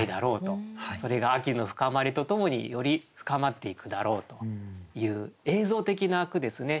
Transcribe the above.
それが秋の深まりとともにより深まっていくだろうという映像的な句ですね。